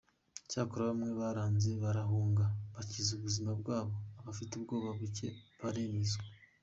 Cyokora bamwe baranze barahunga bakiza ubuzima bwabo, abafite ubwoba buke baremezwa.